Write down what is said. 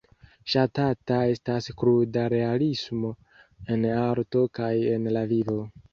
Ŝatata estas kruda realismo, en arto kaj en la vivo.